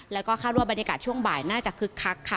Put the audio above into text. แล้วก็คาดว่าบรรยากาศช่วงบ่ายน่าจะคึกคักค่ะ